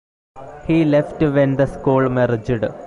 He left when the school merged.